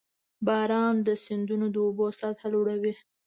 • باران د سیندونو د اوبو سطحه لوړوي.